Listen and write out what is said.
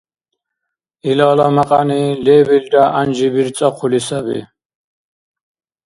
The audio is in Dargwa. Илала мякьяни лебилра гӀянжи бирцӀахъули саби.